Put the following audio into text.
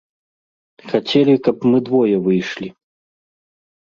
Хацелі, каб мы двое выйшлі.